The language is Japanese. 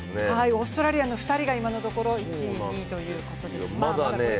オーストラリアの２人が今のところ１位２位というところです。